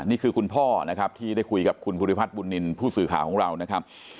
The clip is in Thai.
นี่คือคุณพ่อนะครับที่ได้คุยกับคุณภูริพัฒนบุญนินทร์ผู้สื่อข่าวของเรานะครับ